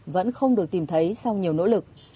vẫn không được tìm thấy sau nhiều nỗ lực